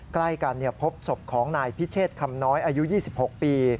ใกล้กันพบศพของนายพิเชษคำน้อยอายุ๒๖ปี